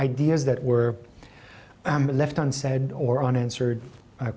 ide yang terlepas atau tidak dijawab